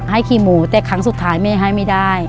ให้ขี่หมูแต่ครั้งสุดท้ายแม่ให้ไม่ได้